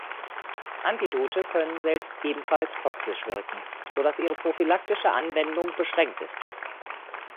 Antidote können selbst ebenfalls toxisch wirken, so dass ihre prophylaktische Anwendung beschränkt ist.